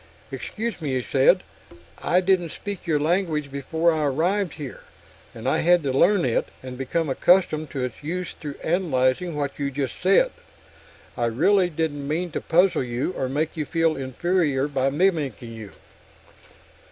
"Excuse me," he said. "I didn't speak your language before I arrived here, and I had to learn it and become accustomed to its use through analyzing what you just said. I really didn't mean to puzzle you or make you feel inferior by mimicking you."